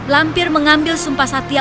lampir mengambil sumpah satya